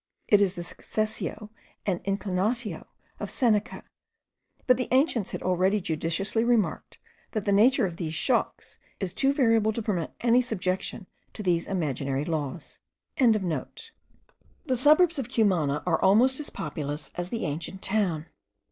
It is the successio and inclinatio of Seneca; but the ancients had already judiciously remarked, that the nature of these shocks is too variable to permit any subjection to these imaginary laws.) The suburbs of Cumana are almost as populous as the ancient town.